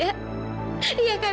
iya kak kak vanya ingat kan